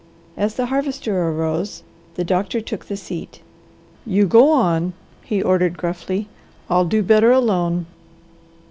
As the Harvester arose the doctor took the seat. "You go on!" he ordered gruffly. "I'll do better alone."